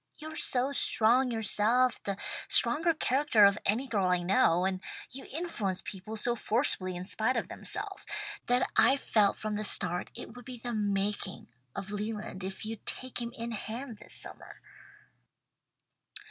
You are so strong yourself, the strongest character of any girl I know, and you influence people so forcibly in spite of themselves, that I've felt from the start it would be the making of Leland if you'd take him in hand this summer."